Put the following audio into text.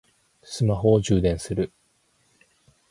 スマホを充電する